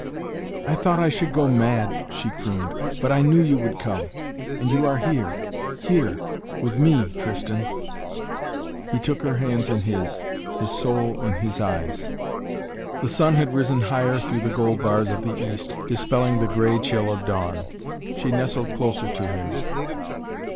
"I thought I should go mad," she crooned. "But I knew you would come. And you are here here with me, Tristan." He took her hands in his, his soul in his eyes. The sun had risen higher through the gold bars of the east, dispelling the grey chill of dawn. She nestled closer to him.